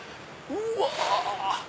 うわ！